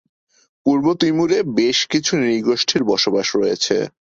পূর্ব তিমুরে বেশ কিছু নৃগোষ্ঠীর বসবাস রয়েছে।